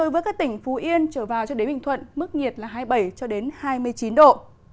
vũ yên trở vào cho đến bình thuận mức nhiệt là hai mươi bảy cho đến hai mươi chín độ